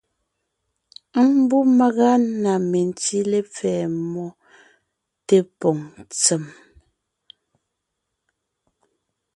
Mbú màga na mentí lepfɛ́ mmó tépòŋ ntsèm,